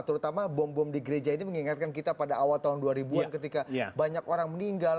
terutama bom bom di gereja ini mengingatkan kita pada awal tahun dua ribu an ketika banyak orang meninggal